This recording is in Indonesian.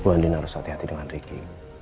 bu andina harus hati hati dengan ricky